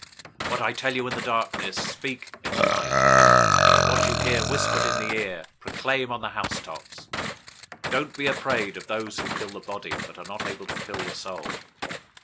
010:027 What I tell you in the darkness, speak in the light; and what you hear whispered in the ear, proclaim on the housetops. 010:028 Don't be afraid of those who kill the body, but are not able to kill the soul.